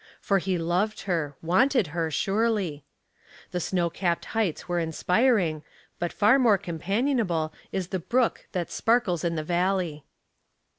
For he loved her, wanted her, surely. The snow capped heights are inspiring, but far more companionable is the brook that sparkles in the valley.